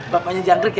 bapaknya jangkrik ya